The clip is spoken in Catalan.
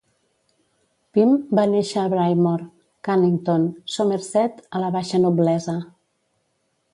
Pym va néixer a Brymore, Cannington, Somerset, a la baixa noblesa.